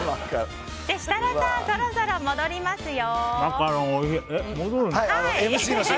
設楽さん、そろそろ戻りますよ。